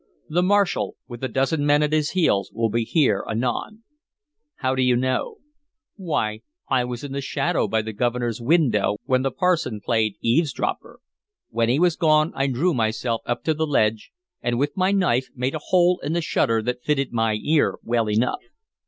The marshal, with a dozen men at his heels, will be here anon." "How do you know?" "Why, I was in the shadow by the Governor's window when the parson played eavesdropper. When he was gone I drew myself up to the ledge, and with my knife made a hole in the shutter that fitted my ear well enough.